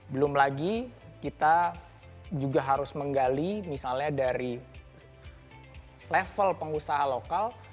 belum lagi kita juga harus menggali misalnya dari platform platform ini